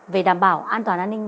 về đảm bảo an toàn an ninh